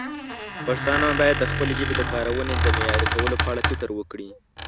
پښتانه باید د خپلې ژبې د کارونې د معیاري کولو په اړه فکر وکړي.